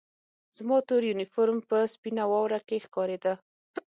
زما تور یونیفورم په سپینه واوره کې ښکارېده